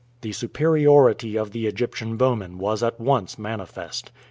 The superiority of the Egyptian bowmen was at once manifest.